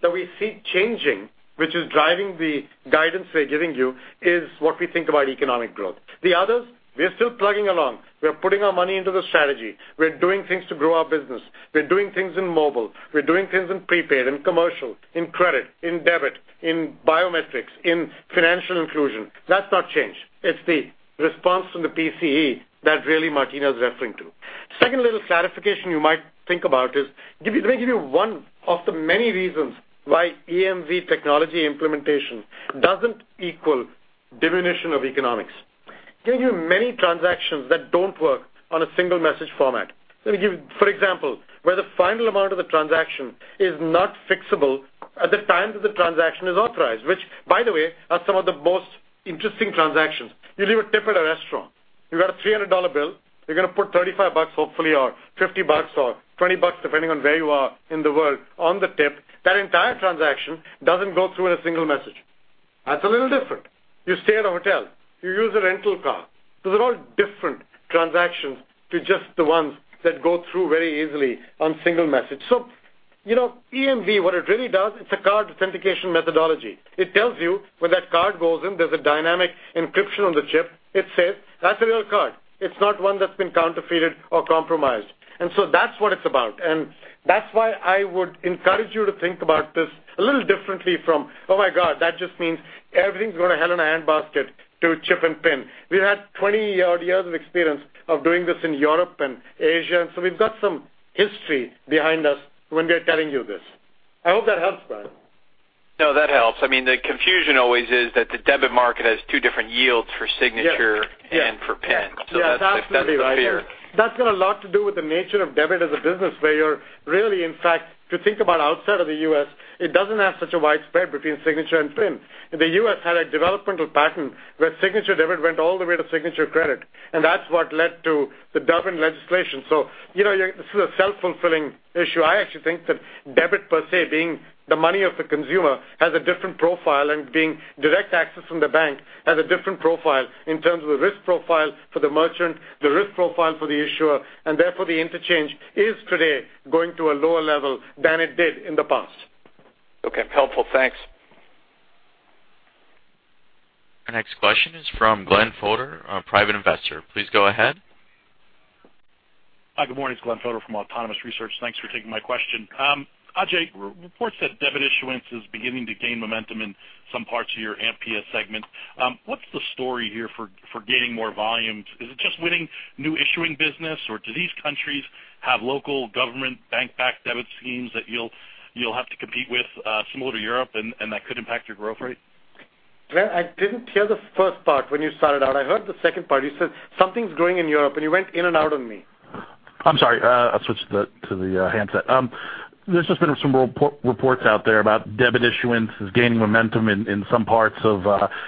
that we see changing, which is driving the guidance we're giving you, is what we think about economic growth. The others, we are still plugging along. We are putting our money into the strategy. We're doing things to grow our business. We're doing things in mobile. We're doing things in prepaid, in commercial, in credit, in debit, in biometrics, in financial inclusion. That's not changed. It's the response from the PCE that really Martina is referring to. Second little clarification you might think about is, let me give you one of the many reasons why EMV technology implementation doesn't equal diminution of economics. Let me give you many transactions that don't work on a single message format. Let me give, for example, where the final amount of the transaction is not fixable at the time that the transaction is authorized, which, by the way, are some of the most interesting transactions. You leave a tip at a restaurant. You've got a $300 bill. You're going to put $35 hopefully, or $50, or $20, depending on where you are in the world on the tip. That entire transaction doesn't go through in a single message. That's a little different. You stay at a hotel. You use a rental car. Those are all different transactions to just the ones that go through very easily on single message. EMV, what it really does, it's a card authentication methodology. It tells you when that card goes in, there's a dynamic encryption on the chip. It says, "That's a real card. It's not one that's been counterfeited or compromised." That's what it's about. That's why I would encourage you to think about this a little differently from, "Oh my God, that just means everything's going to hell in a handbasket to chip and PIN." We've had 20-odd years of experience of doing this in Europe and Asia, we've got some history behind us when we are telling you this. I hope that helps, Bryan. No, that helps. The confusion always is that the debit market has two different yields for signature- Yes For PIN. Yes, absolutely right. That's the fear. That's got a lot to do with the nature of debit as a business where you're really, in fact, to think about outside of the U.S., it doesn't have such a wide spread between signature and PIN. The U.S. had a developmental pattern where signature debit went all the way to signature credit, and that's what led to the Durbin Amendment. This is a self-fulfilling issue. I actually think that debit per se being the money of the consumer has a different profile and being direct access from the bank has a different profile in terms of the risk profile for the merchant, the risk profile for the issuer, and therefore the interchange is today going to a lower level than it did in the past. Okay. Helpful. Thanks. Our next question is from Glenn Fodor, a private investor. Please go ahead. Hi. Good morning. It's Glenn Fodor from Autonomous Research. Thanks for taking my question. Ajay, reports said debit issuance is beginning to gain momentum in some parts of your APMEA segment. What's the story here for gaining more volumes? Is it just winning new issuing business, or do these countries have local government bank-backed debit schemes that you'll have to compete with similar to Europe and that could impact your growth rate? Glenn, I didn't hear the first part when you started out. I heard the second part. You said something's growing in Europe, you went in and out on me. I'm sorry. I'll switch to the handset. There's just been some reports out there about debit issuance is gaining momentum in some parts of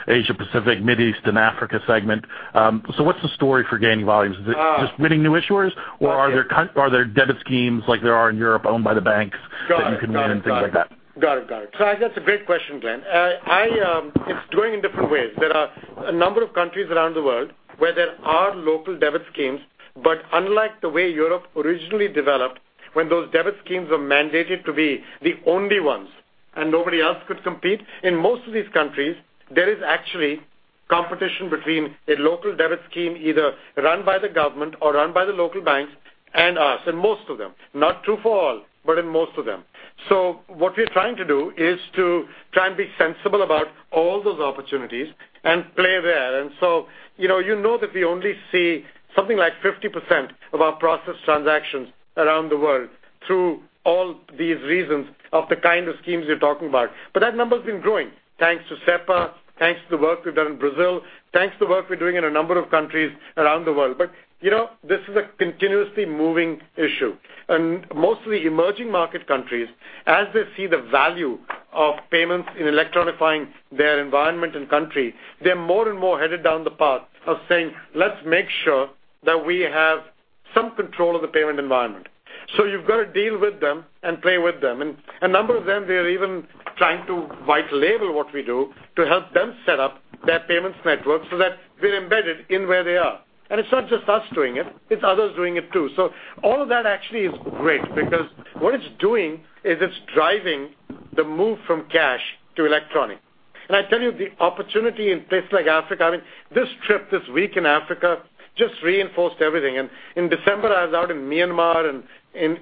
Asia-Pacific, Mid East, and Africa segment. What's the story for gaining volumes? Is it just winning new issuers, or are there debit schemes like there are in Europe owned by the banks. Got it. that you can win and things like that? Got it. That's a great question, Glenn. It's growing in different ways. There are a number of countries around the world where there are local debit schemes, but unlike the way Europe originally developed, when those debit schemes were mandated to be the only ones and nobody else could compete, in most of these countries, there is actually competition between a local debit scheme either run by the government or run by the local banks and us, in most of them. Not true for all, but in most of them. What we're trying to do is to try and be sensible about all those opportunities and play there. You know that we only see something like 50% of our processed transactions around the world through all these reasons of the kind of schemes you're talking about. That number's been growing thanks to SEPA, thanks to the work we've done in Brazil, thanks to the work we're doing in a number of countries around the world. This is a continuously moving issue, and most of the emerging market countries, as they see the value of payments in electronifying their environment and country, they're more and more headed down the path of saying, "Let's make sure that we have some control of the payment environment." You've got to deal with them and play with them. A number of them, they're even trying to white label what we do to help them set up their payments network so that we're embedded in where they are. It's not just us doing it's others doing it too. All of that actually is great because what it's doing is it's driving the move from cash to electronic. I tell you the opportunity in places like Africa, this trip this week in Africa just reinforced everything. In December, I was out in Myanmar and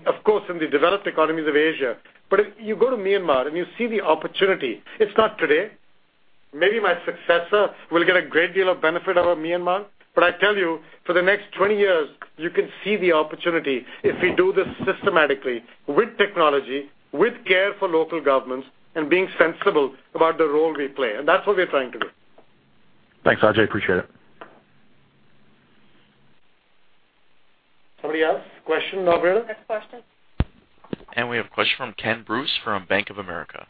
of course, in the developed economies of Asia. If you go to Myanmar and you see the opportunity, it's not today. Maybe my successor will get a great deal of benefit out of Myanmar. I tell you, for the next 20 years, you can see the opportunity if we do this systematically with technology, with care for local governments, and being sensible about the role we play. That's what we're trying to do. Thanks, Ajay. Appreciate it. Somebody else? Question? Operator? Next question. We have a question from Kenneth Bruce from Bank of America.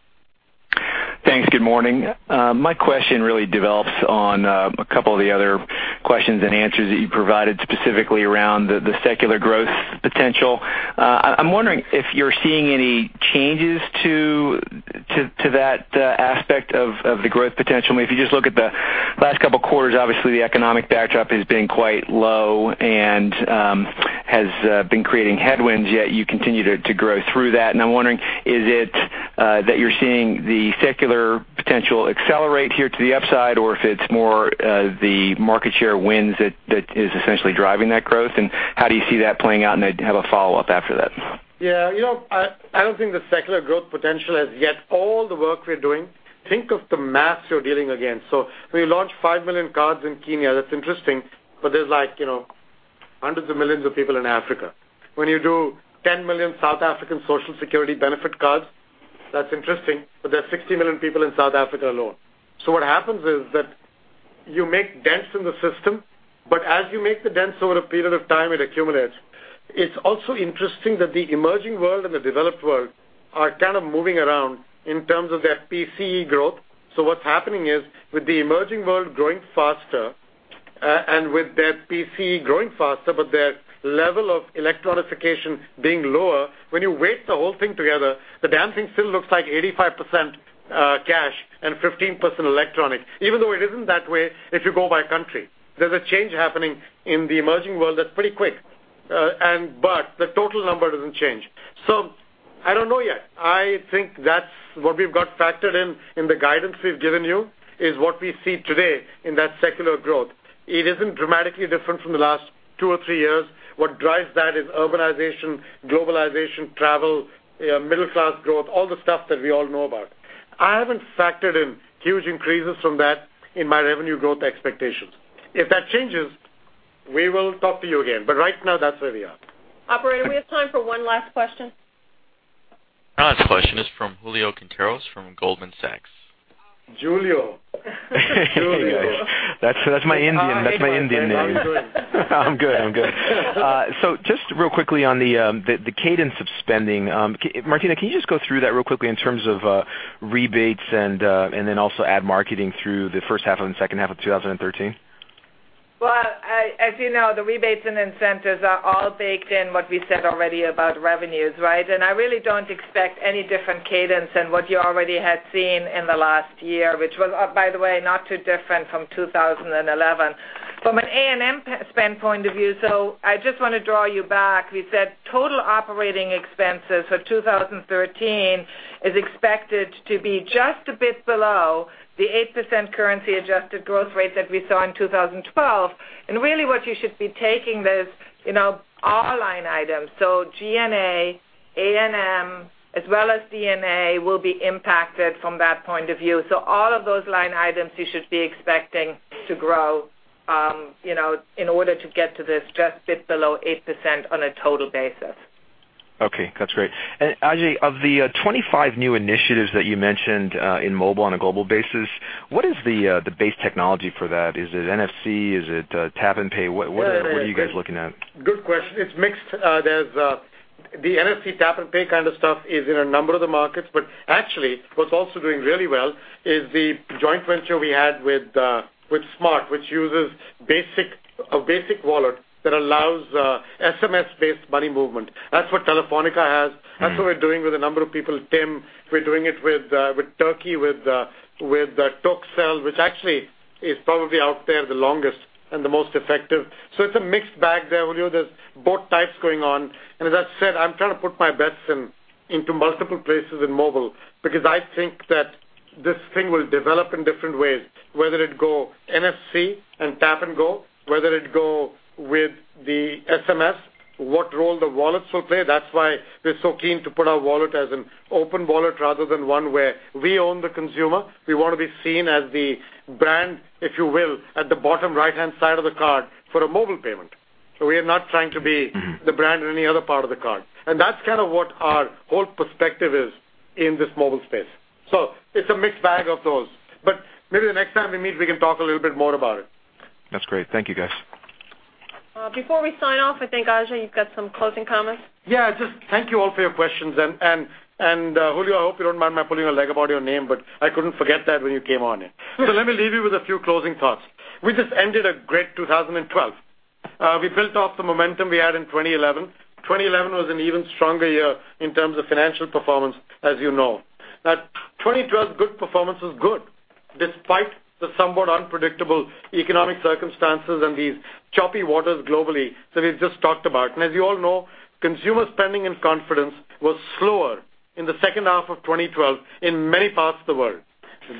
Thanks. Good morning. My question really develops on a couple of the other questions and answers that you provided specifically around the secular growth potential. I'm wondering if you're seeing any changes to that aspect of the growth potential. I mean, if you just look at the last couple of quarters, obviously, the economic backdrop has been quite low and has been creating headwinds, yet you continue to grow through that. I'm wondering, is it that you're seeing the secular potential accelerate here to the upside, or if it's more the market share wins that is essentially driving that growth? How do you see that playing out? I have a follow-up after that. Yeah. I don't think the secular growth potential has yet all the work we're doing. Think of the mass you're dealing against. We launched 5 million cards in Kenya. That's interesting. There's hundreds of millions of people in Africa. When you do 10 million South African Social Security benefit cards, that's interesting. There are 60 million people in South Africa alone. What happens is that you make dents in the system, but as you make the dents, over a period of time, it accumulates. It's also interesting that the emerging world and the developed world are kind of moving around in terms of their PCE growth. What's happening is with the emerging world growing faster and with their PCE growing faster, but their level of electronification being lower, when you weigh the whole thing together, the damn thing still looks like 85% cash and 15% electronic, even though it isn't that way if you go by country. There's a change happening in the emerging world that's pretty quick. The total number doesn't change. I don't know yet. I think that's what we've got factored in the guidance we've given you, is what we see today in that secular growth. It isn't dramatically different from the last two or three years. What drives that is urbanization, globalization, travel, middle-class growth, all the stuff that we all know about. I haven't factored in huge increases from that in my revenue growth expectations. If that changes, we will talk to you again, but right now that's where we are. Operator, we have time for one last question. Last question is from Julio Quinteros from Goldman Sachs. Julio. Julio. That's my Indian name. How you doing? I'm good. Just real quickly on the cadence of spending. Martina, can you just go through that real quickly in terms of rebates and also ad marketing through the first half and second half of 2013? Well, as you know, the rebates and incentives are all baked in what we said already about revenues, right? I really don't expect any different cadence than what you already had seen in the last year, which was, by the way, not too different from 2011. From an A&M spend point of view, I just want to draw you back. We said total operating expenses for 2013 is expected to be just a bit below the 8% currency-adjusted growth rate that we saw in 2012. Really what you should be taking this, all line items, so G&A, A&M, as well as D&A will be impacted from that point of view. All of those line items you should be expecting to grow in order to get to this just bit below 8% on a total basis. Okay, that's great. Ajay, of the 25 new initiatives that you mentioned in mobile on a global basis, what is the base technology for that? Is it NFC? Is it tap and pay? What are you guys looking at? Good question. It's mixed. The NFC tap and pay kind of stuff is in a number of the markets, actually, what's also doing really well is the joint venture we had with SMART, which uses a basic wallet that allows SMS-based money movement. That's what Telefónica has. That's what we're doing with a number of people, TIM. We're doing it with Turkey with Turkcell, which actually is probably out there the longest and the most effective. It's a mixed bag there, Julio. There's both types going on. As I've said, I'm trying to put my bets into multiple places in mobile because I think that this thing will develop in different ways, whether it go NFC and tap and go, whether it go with the SMS, what role the wallets will play. That's why we're so keen to put our wallet as an open wallet rather than one where we own the consumer. We want to be seen as the brand, if you will, at the bottom right-hand side of the card for a mobile payment. We are not trying to be the brand in any other part of the card. That's kind of what our whole perspective is in this mobile space. It's a mixed bag of those. Maybe the next time we meet, we can talk a little bit more about it. That's great. Thank you, guys. Before we sign off, I think, Ajay, you've got some closing comments. Yeah, just thank you all for your questions. Julio, I hope you don't mind my pulling your leg about your name, but I couldn't forget that when you came on it. Let me leave you with a few closing thoughts. We just ended a great 2012. We built off the momentum we had in 2011. 2011 was an even stronger year in terms of financial performance, as you know. That 2012 good performance was good despite the somewhat unpredictable economic circumstances and these choppy waters globally that we've just talked about. As you all know, consumer spending and confidence was slower in the second half of 2012 in many parts of the world.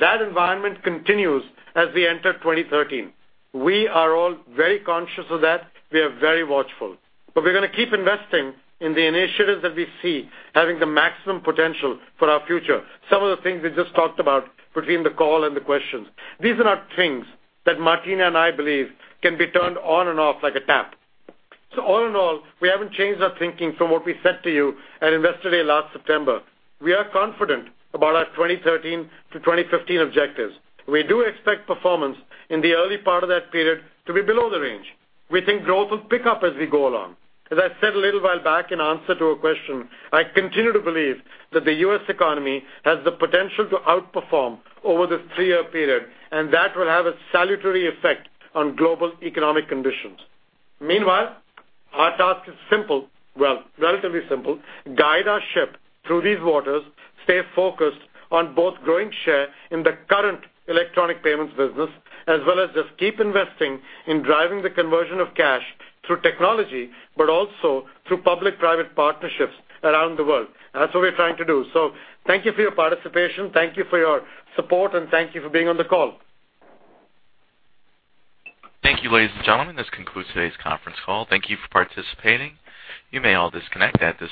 That environment continues as we enter 2013. We are all very conscious of that. We are very watchful. We're going to keep investing in the initiatives that we see having the maximum potential for our future. Some of the things we just talked about between the call and the questions. These are not things that Martina and I believe can be turned on and off like a tap. All in all, we haven't changed our thinking from what we said to you at Investor Day last September. We are confident about our 2013 to 2015 objectives. We do expect performance in the early part of that period to be below the range. We think growth will pick up as we go along. As I said a little while back in answer to a question, I continue to believe that the U.S. economy has the potential to outperform over this three-year period, and that will have a salutary effect on global economic conditions. Meanwhile, our task is simple, well, relatively simple, guide our ship through these waters, stay focused on both growing share in the current electronic payments business, as well as just keep investing in driving the conversion of cash through technology, also through public-private partnerships around the world. That's what we're trying to do. Thank you for your participation, thank you for your support, and thank you for being on the call. Thank you, ladies and gentlemen. This concludes today's conference call. Thank you for participating. You may all disconnect at this time.